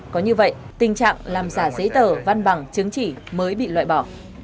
có như vậy tình trạng làm giả giấy tờ văn bằng chứng chỉ mới bị loại bỏ